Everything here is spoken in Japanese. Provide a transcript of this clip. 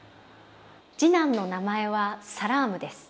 次男の名前はサラームです。